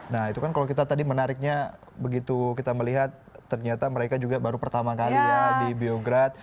nah itu kan kalau kita tadi menariknya begitu kita melihat ternyata mereka juga baru pertama kali ya di biograd